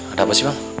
ada apa sih bang